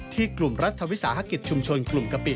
กลุ่มรัฐวิสาหกิจชุมชนกลุ่มกะปิ